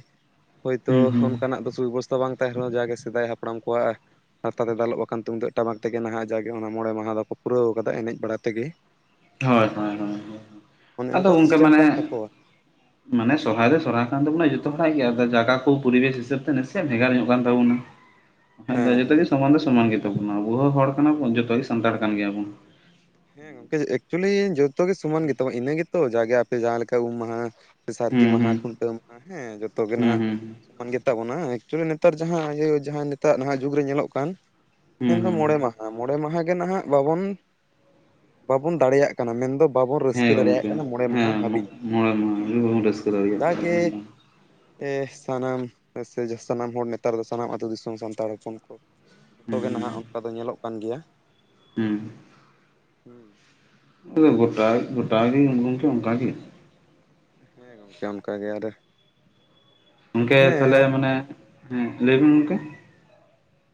ᱦᱳᱭᱛᱳ ᱦᱩᱸ ᱦᱩᱸ ᱚᱱᱠᱟᱱᱟᱜ ᱫᱚ ᱥᱩᱵᱮᱵᱚᱥᱛᱷᱟ ᱵᱟᱝ ᱛᱟᱦᱮᱱ ᱨᱮᱦᱚᱸ ᱡᱟᱜᱮ ᱥᱮᱫᱟᱭ ᱦᱟᱯᱲᱟᱢ ᱠᱚᱣᱟᱜ ᱦᱟᱨᱛᱟ ᱛᱮ ᱫᱟᱞᱚᱵ ᱟᱠᱟᱱ ᱛᱩᱢᱫᱟᱹᱜ, ᱴᱟᱢᱟᱠ ᱛᱮᱜᱮ ᱱᱟᱦᱟᱜ ᱡᱟᱜᱮ ᱚᱱᱟ ᱢᱚᱬᱮ ᱢᱟᱦᱟ ᱫᱚᱠᱚ ᱯᱩᱨᱟᱹᱣ ᱠᱟᱫᱟ ᱮᱱᱮᱡ ᱵᱟᱲᱟ ᱛᱮᱜᱮ ᱦᱳᱭ ᱦᱳᱭ ᱦᱳᱭ ᱚᱱᱮ ᱟᱫᱚ ᱚᱱᱠᱟ ᱥᱤᱥᱴᱮᱢ ᱢᱟᱱᱮ ᱠᱟᱱ ᱛᱟᱠᱚᱣᱟ ᱢᱟᱱᱮ ᱥᱚᱨᱦᱟᱭ ᱨᱮ ᱥᱚᱨᱦᱟᱭ ᱠᱟᱱ ᱛᱟᱵᱚᱱᱟ ᱡᱚᱛᱚ ᱦᱚᱲᱟᱜ ᱜᱮ ᱾ ᱟᱫᱚ ᱡᱟᱜᱟ ᱠᱚ ᱯᱚᱨᱤᱵᱮᱥ ᱦᱤᱥᱟᱹᱵ ᱛᱮ ᱱᱟᱥᱮᱭᱟᱜ ᱵᱷᱮᱜᱟᱨ ᱧᱚᱜ ᱠᱟᱱ ᱛᱟᱵᱚᱱᱟ ᱾ [inaudible] ᱟᱫᱚ ᱡᱚᱛᱚ ᱦᱮᱸ ᱜᱮ ᱥᱚᱢᱟᱱ ᱫᱚ ᱥᱚᱢᱟᱱ ᱜᱮᱛᱟᱵᱚᱱᱟ ᱾ ᱟᱵᱚ ᱦᱚᱸ ᱦᱚᱲ ᱠᱟᱱᱟ ᱵᱚᱱ ᱡᱚᱛᱚ ᱜᱮ ᱥᱟᱱᱛᱟᱲ ᱠᱟᱱ ᱜᱮᱭᱟ ᱵᱚᱱ ᱦᱮᱸ ᱜᱚᱝᱠᱮ ᱮᱠᱪᱩᱭᱞᱤ ᱡᱚᱛᱚ ᱜᱮ ᱥᱚᱢᱟᱱ ᱜᱮᱛᱚ, ᱤᱱᱟᱹ ᱜᱮᱛᱚ ᱡᱟᱜᱮ ᱟᱯᱮ ᱡᱟᱦᱟᱸ ᱞᱮᱠᱟ ᱩᱢ ᱢᱟᱦᱟ ᱥᱟᱹᱨᱫᱤ ᱦᱩᱸ ᱢᱟᱦᱟ ᱦᱩᱸ ᱠᱷᱩᱱᱴᱟᱹᱣ ᱢᱟᱦᱟ ᱦᱮᱸ ᱡᱚᱛᱚ ᱜᱮ ᱱᱟᱦᱟᱜ ᱦᱩᱸ ᱥᱚᱢᱟᱱ ᱜᱮᱛᱟ ᱵᱚᱱᱟ ᱮᱠᱪᱩᱭᱞᱤ ᱱᱮᱛᱟᱨ ᱡᱟᱦᱟᱸ ᱤᱭᱟᱹ ᱡᱟᱦᱟᱸ ᱱᱮᱛᱟᱨ ᱱᱟᱦᱟᱜ ᱡᱩᱜᱽ ᱨᱮ ᱧᱮᱞᱚᱜ ᱠᱟᱱ ᱦᱩᱸ ᱢᱮᱱᱫᱚ ᱦᱩᱸ ᱢᱚᱬᱮ ᱦᱩᱸ ᱢᱟᱦᱟ, ᱢᱚᱬᱮ ᱢᱟᱦᱟ ᱜᱮ ᱱᱟᱦᱟᱜ ᱵᱟᱵᱚᱱ ᱵᱟᱵᱚᱱ ᱫᱟᱲᱮᱭᱟᱜ ᱢᱮᱱᱫᱚ ᱵᱟᱵᱚᱱ ᱦᱮᱸ ᱨᱟᱹᱥᱠᱟᱹ ᱫᱟᱲᱮᱭᱟᱜ ᱜᱚᱢᱠᱮ ᱠᱟᱱᱟ ᱢᱚᱬᱮ ᱢᱟᱦᱟ ᱦᱮᱸ ᱦᱟᱹᱵᱤᱡ ᱢᱚᱬᱮ ᱢᱟᱦᱟ ᱨᱮ ᱵᱟᱵᱚᱱ ᱨᱟᱹᱥᱠᱟᱹ ᱾ ᱫᱟᱲᱮᱭᱟᱜ ᱠᱟᱱᱟ᱾ ᱡᱟᱜᱮ ᱦᱩᱸ ᱮ ᱥᱟᱱᱟᱢ ᱥᱮ ᱥᱟᱱᱟᱢ ᱦᱚᱲ ᱱᱮᱛᱟᱨ ᱫᱚ ᱥᱟᱱᱟᱢ ᱟᱛᱳ ᱫᱤᱥᱚᱢ ᱥᱟᱱᱛᱟᱲ ᱦᱚᱯᱚᱱ ᱡᱷᱚᱛᱚ ᱜᱮ ᱦᱩᱸ ᱱᱟᱦᱟᱜ ᱚᱱᱠᱟ ᱫᱚ ᱧᱮᱞᱚᱜ ᱠᱟᱱ ᱜᱮᱭᱟ ᱾ ᱦᱩᱸ ᱦᱩᱸ ᱜᱚᱴᱟ ᱜᱮ ᱩᱰᱩᱝᱠᱮ ᱚᱱᱠᱟ ᱜᱮ ᱦᱮᱸ ᱜᱚᱝᱠᱮ ᱚᱱᱠᱟ ᱜᱮ ᱟᱨᱮ ᱜᱚᱝᱠᱮ ᱛᱟᱦᱚᱞᱮ ᱢᱟᱱᱮ, ᱦᱮᱸ ᱞᱟᱹᱭᱵᱤᱱ ᱜᱚᱝᱠᱮ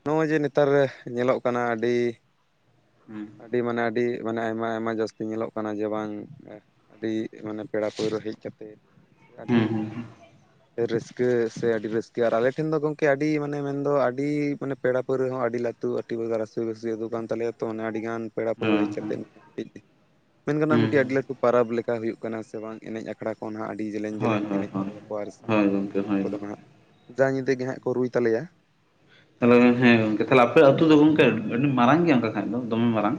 ᱱᱚᱜᱼᱚᱭ ᱡᱮ ᱱᱮᱛᱟᱨ ᱧᱮᱞᱚᱜ ᱠᱟᱱᱟ ᱟᱹᱰᱤ ᱦᱩᱸ ᱟᱹᱰᱤ ᱢᱟᱱᱮ ᱟᱹᱰᱤ ᱢᱟᱱᱮ ᱟᱭᱢᱟ ᱟᱭᱢᱟ ᱡᱟᱹᱥᱛᱤ ᱧᱮᱞᱚᱜ ᱠᱟᱱᱟ ᱡᱮ ᱵᱟᱝ ᱮ ᱟᱹᱰᱤ ᱢᱟᱱᱮ ᱯᱮᱲᱟ ᱯᱟᱹᱣᱨᱟᱹ ᱦᱮᱡᱽ ᱠᱟᱛᱮᱫ ᱾ ᱟᱹᱰᱤ ᱦᱩᱸ ᱦᱩᱸ ᱨᱟᱹᱥᱠᱟᱹ ᱥᱮ ᱟᱹᱰᱤ ᱨᱟᱹᱥᱠᱟᱹ ᱟᱨ ᱟᱞᱮ ᱴᱷᱮᱱ ᱫᱚ ᱜᱚᱝᱠᱮ ᱟᱹᱰᱤ ᱢᱟᱱᱮ ᱢᱮᱱᱫᱚ ᱟᱹᱰᱤ ᱢᱟᱱᱮ ᱯᱮᱲᱟ ᱯᱟ. ᱣᱨᱟᱹ ᱦᱚᱸ ᱟᱹᱰᱤ ᱞᱟᱹᱴᱩ ᱟᱴᱤ ᱨᱟᱹᱥᱤ ᱵᱟᱹᱥᱤ ᱟᱹᱛᱩ ᱠᱟᱱ ᱛᱟᱞᱮᱭᱟ ᱛᱚ ᱢᱟᱱᱮ ᱟᱹᱰᱤ ᱜᱟᱱ ᱯᱮᱲᱟ ᱦᱮᱸ ᱯᱟᱹᱣᱨᱟᱹ ᱦᱮᱸ ᱦᱮᱡ ᱠᱟᱛᱮᱜ ᱢᱮᱱ ᱜᱟᱱᱚᱜᱼᱟ ᱦᱩᱸ ᱢᱤᱫᱴᱤᱡ ᱦᱩᱸ ᱟᱹᱰᱤ ᱞᱟᱹᱴᱩ ᱯᱟᱨᱟᱵᱽ ᱞᱮᱠᱟ ᱦᱩᱭᱩᱜ ᱠᱟᱱᱟ ᱥᱮ ᱵᱟᱝ ᱮᱱᱮᱡᱽ ᱟᱠᱷᱲᱟ ᱠᱚ ᱱᱟᱦᱟᱜ ᱟᱹᱰᱤ ᱡᱮᱞᱮᱧ ᱦᱳᱭ ᱡᱮᱞᱮᱧ ᱦᱳᱭ ᱮᱱᱮᱡᱽ ᱦᱳᱭ ᱛᱟᱞᱮᱭᱟᱠᱚ ᱟᱨ ᱥᱟᱱᱟᱢ ᱦᱳᱭ ᱜᱚᱢᱠᱮ ᱨᱩᱥᱤᱠᱤᱭᱟᱹ ᱦᱳᱭ ᱠᱚᱫᱚ ᱱᱟᱦᱟᱜ ᱡᱟ ᱧᱤᱫᱟᱹ ᱜᱮᱦᱟᱸᱜ ᱠᱚ ᱨᱩᱭ ᱛᱟᱞᱮᱭᱟ ᱾ ᱛᱟᱦᱚᱞᱮ ᱦᱮᱸ ᱜᱚᱝᱠᱮ ᱛᱟᱦᱞᱮ ᱟᱯᱮ ᱟᱹᱛᱩ ᱫᱚ ᱜᱚᱝᱠᱮ ᱟᱹᱰᱤ ᱢᱟᱨᱟᱝ ᱜᱮᱭᱟ ᱚᱱᱠᱟ ᱠᱷᱟᱡᱽ ᱫᱚ ᱫᱚᱢᱮ ᱢᱟᱨᱟᱝ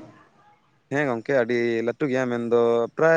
ᱦᱮᱸ ᱜᱚᱝᱠᱮ ᱟᱹᱰᱤ ᱞᱟᱹᱴᱩ ᱜᱮᱭᱟ ᱢᱮᱱᱫᱚ ᱯᱨᱟᱭ